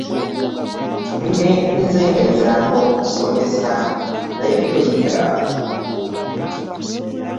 Nze ngezaako kukusomesa naye toyiga.